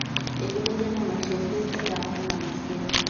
এগুলো যেন আমার শেষকৃত্যে দেওয়া হয় মানুষকে।